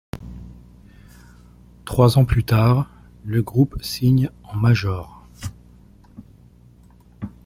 Trois ans plus tard, le groupe signe en major.